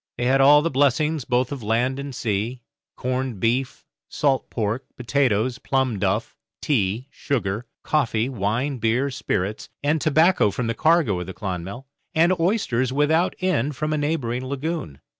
They had all the blessings both of land and sea corned beef, salt pork, potatoes, plum duff, tea, sugar, coffee, wine, beer, spirits, and tobacco from the cargo of the 'Clonmel', and oysters without end from a neighbouring lagoon.